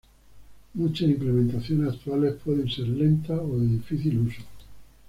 Muchas implementaciones actuales pueden ser lentas o de difícil uso.